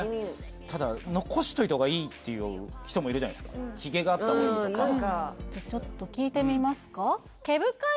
ただ残しといた方がいいっていう人もいるじゃないですかヒゲがあった方がいいとかちょっと聞いてみますか？